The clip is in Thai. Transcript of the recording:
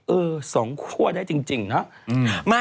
เออ๒ครัวได้จริงนะ